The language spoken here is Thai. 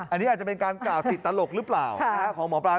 อันนี้อาจจะเป็นการกล่าวติดตลกหรือเปล่าของหมอปลา